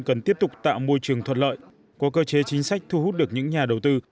cần tiếp tục tạo môi trường thuận lợi có cơ chế chính sách thu hút được những nhà đầu tư